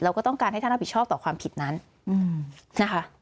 ก็ต้องการให้ท่านรับผิดชอบต่อความผิดนั้นนะคะ